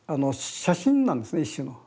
写真なんですね一種の。